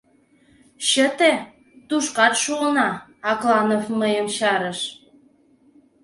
— Чыте, тушкат шуына, — Акланов мыйым чарыш.